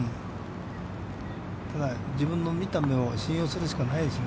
ただ、自分の見た、目を信用するしかないですね。